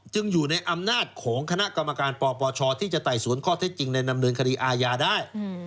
อยู่ในอำนาจของคณะกรรมการปปชที่จะไต่สวนข้อเท็จจริงในดำเนินคดีอาญาได้